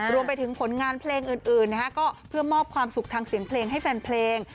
รวมไปถึงผลงานเพลงอื่นก็เพื่อมอบความสุขทางเสียงเพลงให้แฟนเพลง